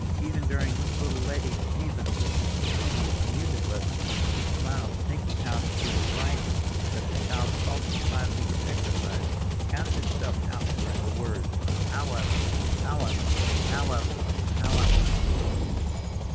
Even during little Letty Stevens's tedious music lesson she smiled, thinking how she would write him that the child's halting five finger exercise counted itself out to her in the words, "How I love you, how I love you, how I love you, how I love you, dear!"